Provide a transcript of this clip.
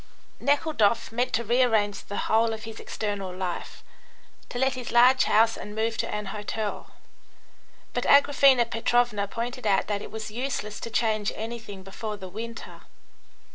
Nekhludoff meant to rearrange the whole of his external life, to let his large house and move to an hotel, but Agraphena Petrovna pointed out that it was useless to change anything before the winter.